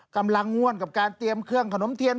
กำลังง่วนกับการเตรียมเครื่องขนมเทียน